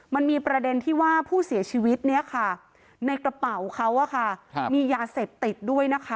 มันมีประเด็นที่ว่าผู้เสียชีวิตในกระเป๋าเขามียาเสพติดด้วยนะคะ